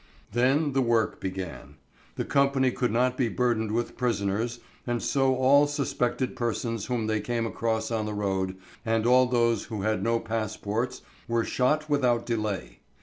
Then the work began. The company could not be burdened with prisoners, and so all suspected persons whom they came across on the road, and all those who had no passports, were shot without delay.